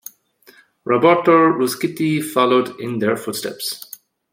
Roberto Ruscitti followed in their footsteps.